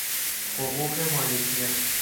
حقوق مالکیت